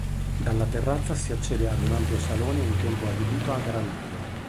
Dalla terrazza si accede ad un ampio salone un tempo adibito a granaio.